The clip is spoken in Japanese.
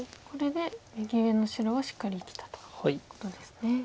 これで右上の白はしっかり生きたということですね。